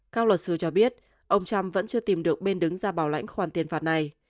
các luật sư cho biết ông trump vẫn chưa tìm được bên đứng ra bảo lãnh khoản tiền phạt này